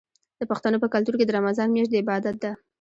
د پښتنو په کلتور کې د رمضان میاشت د عبادت ده.